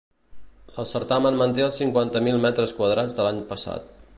El certamen manté els cinquanta mil metres quadrats de l’any passat.